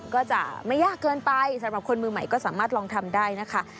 ก็จะไม่ยากเกินไปสำหรับคนมือใหม่ก็สามารถลองทำได้นะคะ